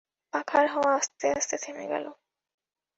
পাখার হাওয়া আস্তে আস্তে থেমে গেল।